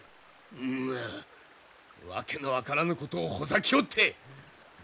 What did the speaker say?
うぬ訳の分からぬことをほざきおって！